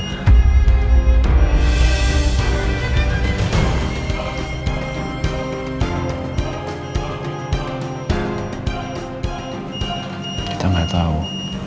kita gak tahu